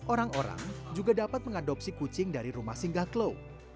orang orang juga dapat mengadopsi kucing dari rumah singgah klau